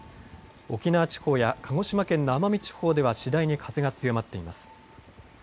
沖縄地方や鹿児島県の奄美地方では次第に風が強まっています。